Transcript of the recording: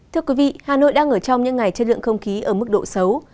thưa quý vị hà nội đang ở trong những ngày chất lượng không khí ở mức độ xấu